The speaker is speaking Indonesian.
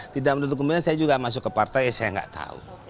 tidak menutup kemungkinan saya juga masuk ke partai saya nggak tahu